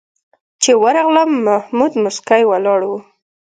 چې ورغلم محمود موسکی ولاړ و.